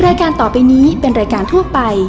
รายการต่อไปนี้เป็นรายการทั่วไป